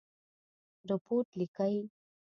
رپوټ لیکئ؟